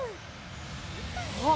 あっ！